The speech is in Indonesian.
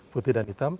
putih dan hitam